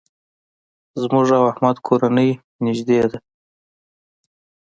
زموږ او احمد کورنۍ نېږدې ده.